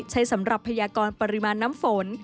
ใช้สำหรับพยากรปริมาณน้ำฝน